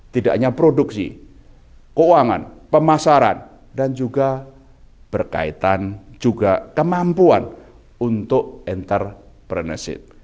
tidak hanya produksi keuangan pemasaran dan juga berkaitan juga kemampuan untuk entrepreneurship